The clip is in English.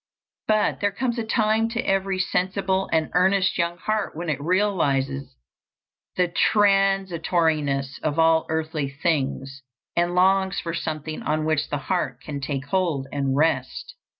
But there comes a time to every sensible and earnest young heart when it realizes the transitoriness of all earthly things, and longs for something on which the heart can take hold and rest.